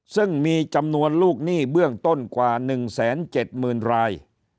ซึ่งมีจำนวนลูกหนี้เบื้องต้นกว่า๑๗๐๐๐ราย